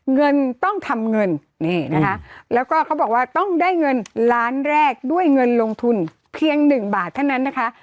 เงินต้องทำเงินนี่นะคะแล้วก็เขาบอกว่าต้องได้เงินล้านแรกด้วยเงินลงทุนเพียง๑บาทเท่านั้นนะคะ